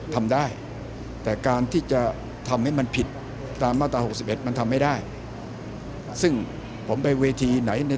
ผมยังไม่รู้เลยว่าท่านจะทำอะไรเห็นจากข่าวนะแต่ไม่รู้ว่าทำอะไรก็ได้บอกแล้วว่าการอธิบายรัฐธรรมนวลเนี่ย